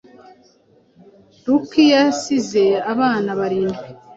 Lucky yasize abana barindwi